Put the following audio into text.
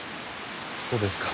そうですか。